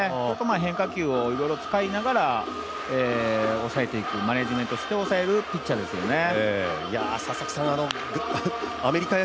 変化球をいろいろ使いながらマネージメントをして押さえるピッチャーですよね。